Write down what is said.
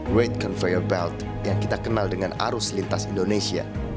rate conveyor belt yang kita kenal dengan arus lintas indonesia